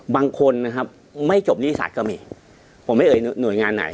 บางคนไม่จบหนี้ศาสตร์ก็มีผมไม่เอ่ยหน่วยงานไหน